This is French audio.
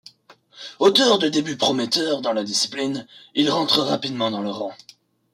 Auteur de débuts prometteurs dans la discipline, il rentre rapidement dans le rang.